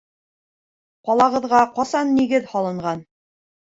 Ҡалағыҙға ҡасан нигеҙ һалынған?